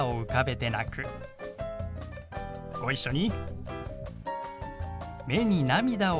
ご一緒に。